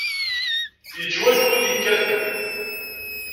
Yettwat win yekkaten.